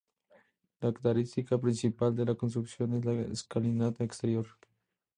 La característica principal de la construcción es la escalinata exterior.